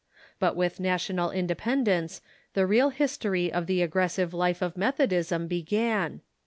But with national inde pendence the real history of the aggressive life of Methodism began.